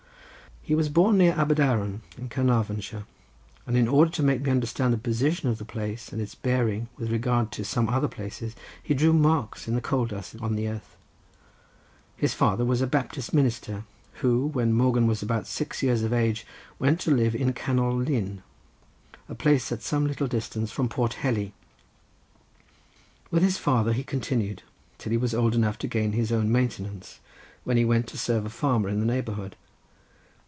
He was born near Aberdarron, in Caernarvonshire, and in order to make me understand the position of the place, and its bearing with regard to some other places, he drew marks in the coal dust on the earth. His father was a Baptist minister, who when Morgan was about six years of age went to live at Canol Lyn, a place at some little distance from Port Heli. With his father he continued till he was old enough to gain his own maintenance, when he went to serve a farmer in the neighbourhood.